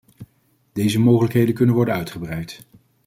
Deze mogelijkheden kunnen worden uitgebreid.